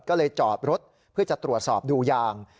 ก็เลยจอดรถเพื่อจะตรวจสอบดูยาง